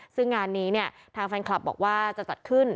ซึ่งงานนี้เนี่ยทางแฟนคลับบอกว่าจะจัดขึ้น